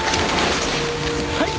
はい！